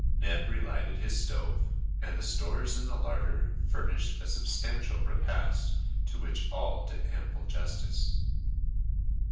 Neb relighted his stove, and the stores in the larder furnished a substantial repast, to which all did ample justice.